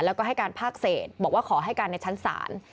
แล้วก็ให้การภาคเศษบอกว่าขอให้การในชั้นศาล